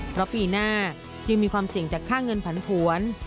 เพราะปีหน้ายังมีความเสี่ยงจากค่าเงินผันผวน